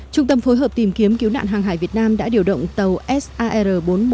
trung tâm phối hợp tìm kiếm cứu nạn hàng hải việt nam đã điều động tàu sar bốn trăm một mươi